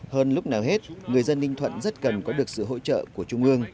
hơn lúc nào hết người dân ninh thuận rất cần có được sự hỗ trợ của trung ương